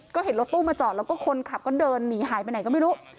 ก็เห็นรถตู้มาจอดแล้วก็คนขับก็เดินหนีหายไปไหนก็ไม่รู้